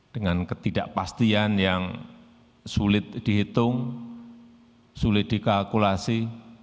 dengan ketidakpastian yang sulit dihitung sulit dikalkulasi